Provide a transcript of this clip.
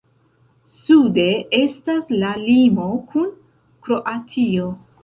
Sude estas la limo kun Kroatio.